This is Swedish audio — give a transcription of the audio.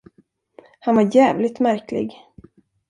Han var jävligt märklig.